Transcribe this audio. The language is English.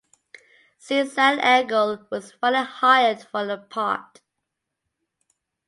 Susan Engel was finally hired for the part.